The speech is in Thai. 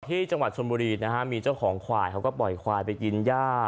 ที่จังหวัดชนบุรีนะฮะมีเจ้าของควายเขาก็ปล่อยควายไปกินย่า